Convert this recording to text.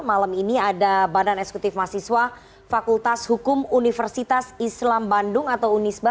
malam ini ada badan eksekutif mahasiswa fakultas hukum universitas islam bandung atau unisba